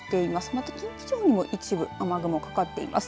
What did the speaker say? また近畿地方にも一部雨雲がかかっています。